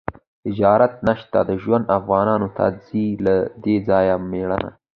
اجازت نشته د ژوند، افغانانو ته ځي له دې ځایه مړینه